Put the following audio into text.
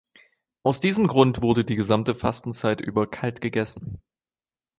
Aus diesem Grund wurde die gesamte Fastenzeit über kalt gegessen.